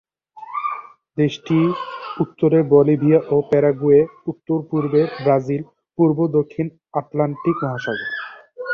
দেশটি উত্তরে বলিভিয়া ও প্যারাগুয়ে, উত্তর-পূর্বে ব্রাজিল, পূর্বে দক্ষিণ আটলান্টিক মহাসাগর।